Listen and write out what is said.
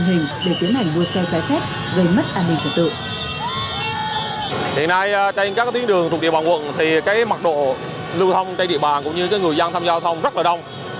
hiện nay trên các tuyến đường thuộc địa bàn quận thì cái mật độ lưu thông trên địa bàn cũng như người dân tham gia giao thông rất là đông